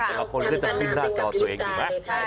แต่ละคนก็จะติดหน้าจอตัวเองอยู่นะ